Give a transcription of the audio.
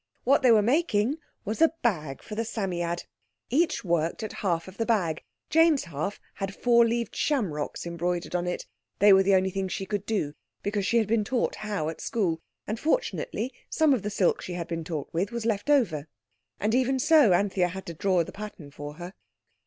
What they were making was a bag for the Psammead. Each worked at a half of the bag. Jane's half had four leaved shamrocks embroidered on it. They were the only things she could do (because she had been taught how at school, and, fortunately, some of the silk she had been taught with was left over). And even so, Anthea had to draw the pattern for her.